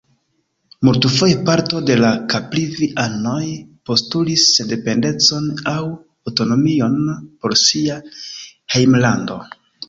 Multfoje parto de la Caprivi-anoj postulis sendependecon aŭ aŭtonomion por sia hejmlando.